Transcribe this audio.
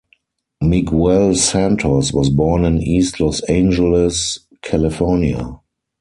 Miguel Santos was born in East Los Angeles, California.